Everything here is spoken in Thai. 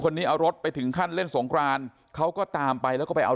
นี้เอารถไปถึงขั้นเล่นสงครานเขาก็ตามไปแล้วก็ไปเอา